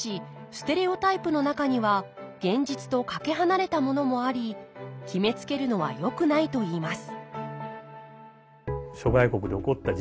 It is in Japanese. ステレオタイプの中には現実とかけ離れたものもあり決めつけるのはよくないといいます